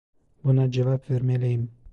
Buna cevap vermeliyim.